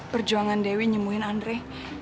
perjuangan dewi nyemuin andri